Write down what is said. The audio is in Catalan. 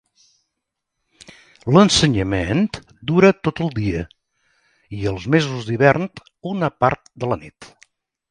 L'ensenyament dura tot el dia, i els mesos d'hivern, una part de la nit.